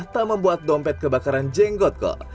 tak membuat dompet kebakaran jenggot kok